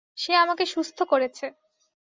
সে আমাকে সুস্থ করেছে।